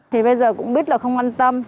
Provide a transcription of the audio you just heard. thì bây giờ cũng biết là không quan tâm